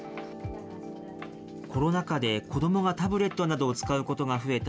コロナ禍で子どもがタブレットなどを使うことが増えた